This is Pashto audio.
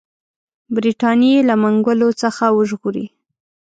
برټانیې له منګولو څخه وژغوري.